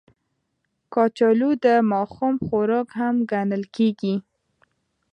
کچالو د ماښام خوراک هم ګڼل کېږي